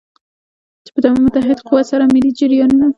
چې په متحد قوت سره ملي جریانونه.